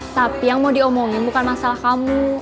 tapi yang mau diomongin bukan masalah kamu